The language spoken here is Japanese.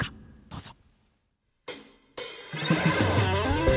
どうぞ。